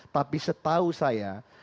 tapi setahu saya